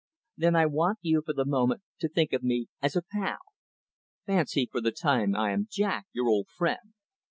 "Then I want you, for the moment, to think of me as a pal. Fancy for the time I am Jack, your old friend.